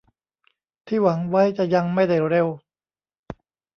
ที่หวังไว้จะยังไม่ได้เร็ว